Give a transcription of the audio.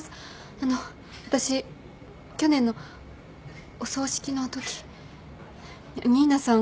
あの私去年のお葬式のとき新名さん。